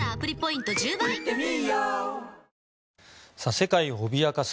世界を脅かす